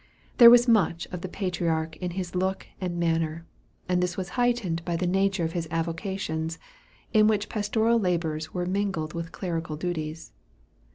There was much of the patriarch in his look and manner; and this was heightened by the nature of his avocations, in which pastoral labors were mingled with clerical duties.